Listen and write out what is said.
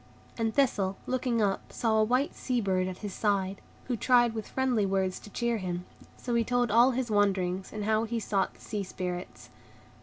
And Thistle, looking up, saw a white sea bird at his side, who tried with friendly words to cheer him. So he told all his wanderings, and how he sought the Sea Spirits.